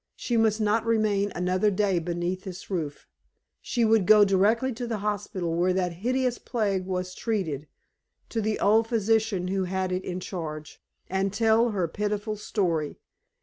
She must not remain another day beneath this roof. She would go direct to the hospital where that hideous plague was treated to the old physician who had it in charge and tell her pitiful story.